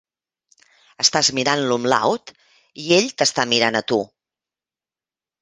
Estàs mirant l'umlaut, i ell t'està mirant a tu.